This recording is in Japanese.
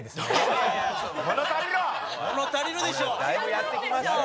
だいぶやってきましたよ。